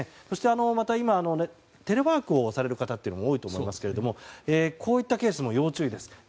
そして、また今テレワークをされる方も多いと思いますがこういったケースも要注意です。